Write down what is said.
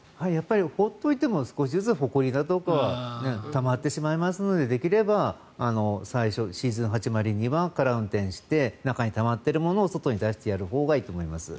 放っておいても少しずつほこりだとかがたまってしまいますのでできれば最初シーズン始まりには空運転して中にたまっているものを外に出したほうがいいと思います。